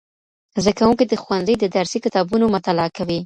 زدهکوونکي د ښوونځي د درسي کتابونو مطالعه کوي.